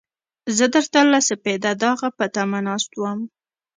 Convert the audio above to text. زه درته له سپېده داغه په تمه ناست وم.